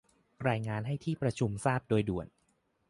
รายงานให้ที่ประชุมทราบโดยด่วน